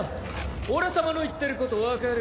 俺様の言ってることわかる？